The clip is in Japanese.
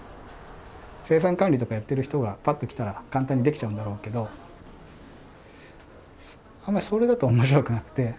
生産管理とかやっている人がパッと来たら簡単にできちゃうんだろうけどそれだと面白くなくて。